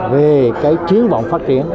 về cái chiến vọng phát triển